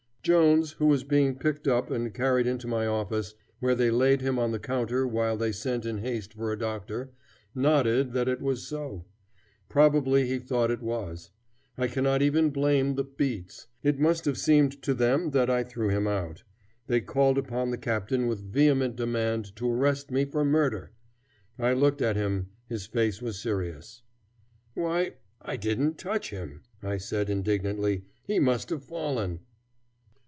Jones, who was being picked up and carried into my office, where they laid him on the counter while they sent in haste for a doctor, nodded that it was so. Probably he thought it was. I cannot even blame the beats. It must have seemed to them that I threw him out. They called upon the captain with vehement demand to arrest me for murder. I looked at him; his face was serious. "Why, I didn't touch him," I said indignantly. "He must have fallen."